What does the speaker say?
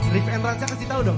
riff and rance kasih tau dong